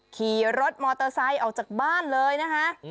ขี่รถมอเตอร์ไซค์ออกจากบ้านเลยนะคะ